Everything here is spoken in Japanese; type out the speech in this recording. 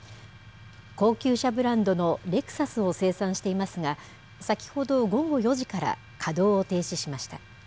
高級車ブランドのレクサスを生産していますが、先ほど午後４時から、稼働を停止しました。